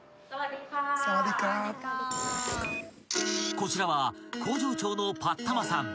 ［こちらは工場長のパッタマさん］